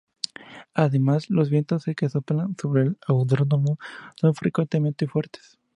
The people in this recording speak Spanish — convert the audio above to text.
Además, los vientos que soplan sobre el autódromo son frecuentemente fuertes.